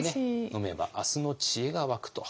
飲めば明日の知恵が湧くと。